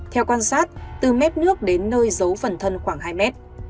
theo quan sát từ mép nước đến nơi giấu phần thân khoảng hai mét